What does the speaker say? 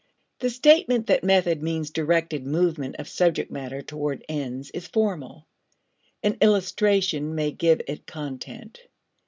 The statement that method means directed movement of subject matter towards ends is formal. An illustration may give it content.